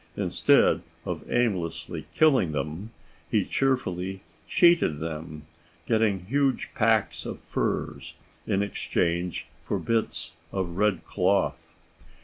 Instead of aimlessly killing them, he cheerfully cheated them, getting huge packs of furs in exchange for bits of red cloth.